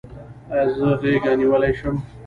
ایا زه غیږه نیولی شم؟